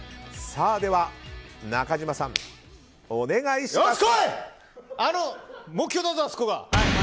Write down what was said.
では、中島さんお願いします。